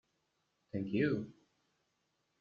'Thank you, "!...